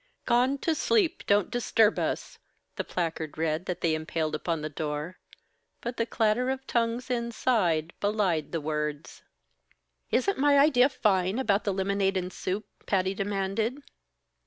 "Gone to sleep! Don't disturb us!" the placard read that they impaled upon the door, but the clatter of tongues inside belied the words. "Isn't my idea fine about the lemonade and soup?" Patty demanded.